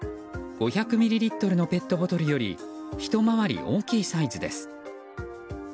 ５００ミリリットルのペットボトルよりひと回り大きいサイズです。